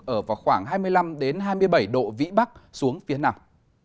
ở khoảng hai mươi năm hai mươi bảy độ vĩ bắc xuống phía nẳng